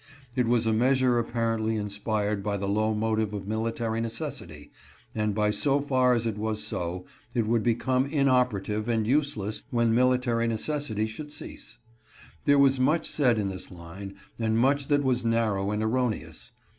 It was a measure apparently inspired by the low motive of mili tary necessity, and by so far as it was so, it would become inoperative and useless when military necessity should cease. There was much said in this line, and much that was narrow and erroneous.